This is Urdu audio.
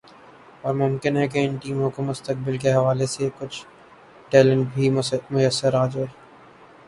اور ممکن ہے کہ ان ٹیموں کو مستقبل کے حوالے سے کچھ ٹیلنٹ بھی میسر آجائے